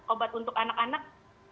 obat untuk anak anak